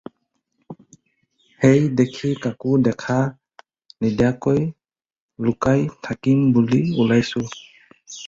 সেই দেখি কাকো দেখা নিদিয়াকৈ লুকাই থাকিম বুলি ওলাইছোঁ।